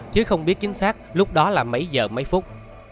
chứ không biết chính xác lúc đó là mấy giờ mấy phút